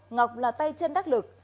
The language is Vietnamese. ngọc là tay chân đắc lực